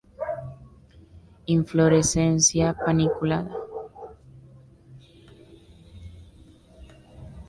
Inflorescencia paniculada.